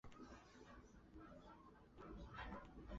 从五位下长岑茂智麻吕的义弟。